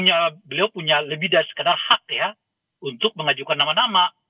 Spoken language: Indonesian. jadi beliau punya lebih dari sekedar hak untuk mengajukan nama nama